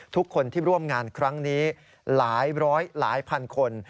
ทุกคนที่ร่วมงานครั้งนี้หลายร้อยหลายพันคน